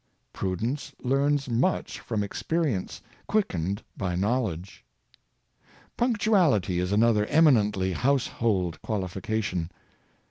Prudence learns much from experience, quickened by knowledge. Punctuality is another eminently household qualifica tion.